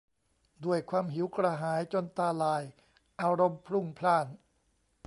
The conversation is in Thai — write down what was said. ด้วยความหิวกระหายจนตาลาย อารมณ์พลุ่งพล่าน